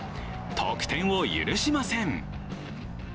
得点を許しません。